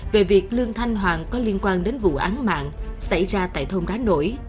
về việc lương thanh hoàng có liên quan đến vụ án mạng xảy ra tại thôn đá nổi